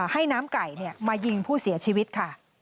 ให้น้ำไก่มายิงผู้เสียชีวิตค่ะ